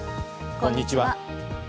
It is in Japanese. こんにちは。